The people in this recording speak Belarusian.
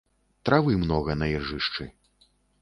Травы многа на іржышчы.